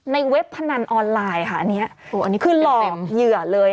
เว็บพนันออนไลน์ค่ะอันนี้คือหลอกเหยื่อเลย